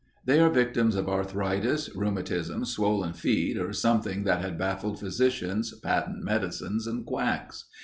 They are victims of arthritis, rheumatism, swollen feet, or something that had baffled physicians, patent medicines, and quacks.